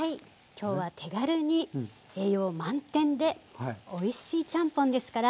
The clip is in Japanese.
今日は手軽に栄養満点でおいしいちゃんぽんですから。